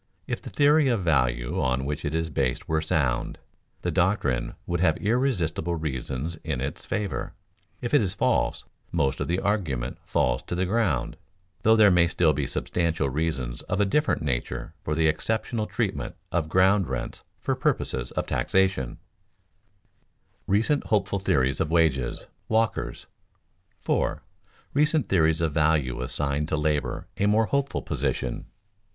If the theory of value on which it is based were sound, the doctrine would have irresistible reasons in its favor; if it is false, most of the argument falls to the ground, though there may still be substantial reasons of a different nature for the exceptional treatment of ground rents for purposes of taxation. [Sidenote: Recent hopeful theories of wages; Walker's] 4. _Recent theories of value assign to labor a more hopeful position.